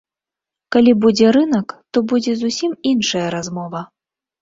Калі будзе рынак, то будзе зусім іншая размова.